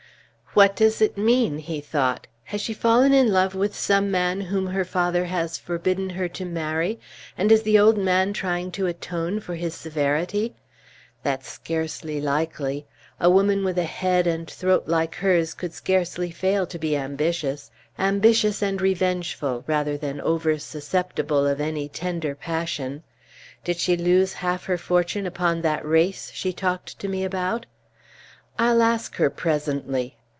"What does it mean?" he thought; "has she fallen in love with some man whom her father has forbidden her to marry, and is the old man trying to atone for his severity? That's scarcely likely. A woman with a head and throat like hers could scarcely fail to be ambitious ambitious and revengeful, rather than over susceptible of any tender passion. Did she lose half her fortune upon that race she talked to me about? I'll ask her presently.